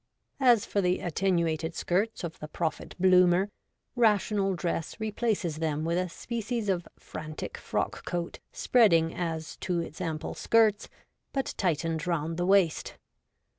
As for the attenuated skirts of the Prophet Bloomer, Rational Dress replaces them with a species of frantic frock coat, spreading as to its ample skirts, but tightened round the waist.